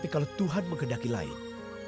isan semua orang